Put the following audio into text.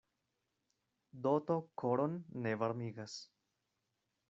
Doto koron ne varmigas.